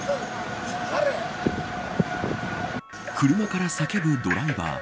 車から叫ぶドライバー。